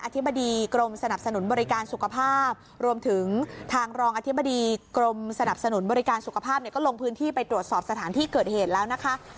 ทางรองอธิบดีกรมสนับสนุนบริการสุขภาพก็ลงพื้นที่ไปตรวจสอบสถานที่เกิดเหตุแล้วนะคะ